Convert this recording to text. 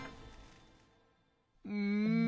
うん。